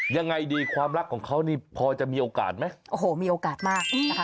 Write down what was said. ยังไงดีความรักของเขานี่พอจะมีโอกาสไหมโอ้โหมีโอกาสมากนะคะ